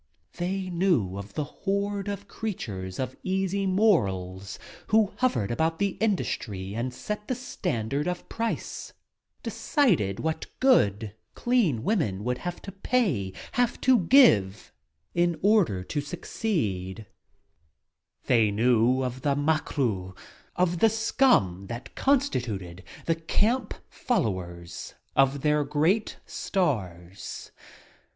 They knew of the horde of creatures of easy morals who hovered about the indus try and set the standard of price — decided what good, clean women would have to pay have to give — in order to succeed They knew of the macqueraux — of the scum that constituted the camp followers of their great stars.